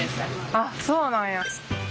あっそうなんや。